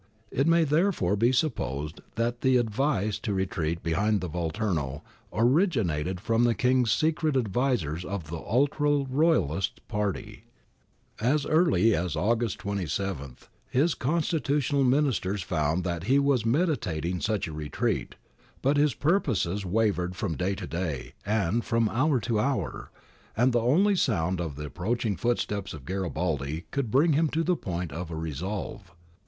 It may therefore be supposed that the advice to re treat behind the Volturno originated from the King's secret advisers of the ultra Royalist party.* As early as August 27 his constitutional Ministers found that 'So Villamarina believed. Persano, 209 210. LAST DAYS OF A DYNASTY 173 he was meditating such a retreat.^ But his purposes wavered from day to day and from hour to hour, and only the sound of the approaching footsteps of Garibaldi could bring him to the point of a resolve.